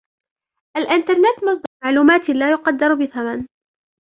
الإنترنت مصدرُ معلوماتٍ لا يقدر بثمن.